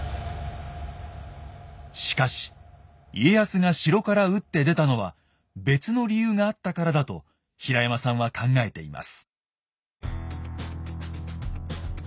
しかし家康が城から打って出たのは別の理由があったからだと平山さんは考えています。